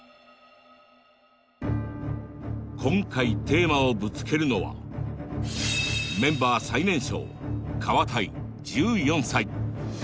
今回テーマをぶつけるのはメンバー最年少カワタイ１４歳。